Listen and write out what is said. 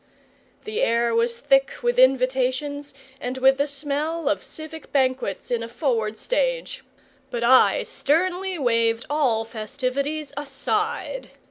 The air was thick with invitations and with the smell of civic banquets in a forward stage; but I sternly waved all festivities aside.